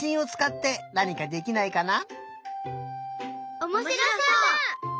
おもしろそう！